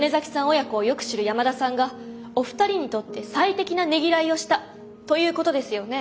親子をよく知る山田さんがお二人にとって最適なねぎらいをしたということですよね？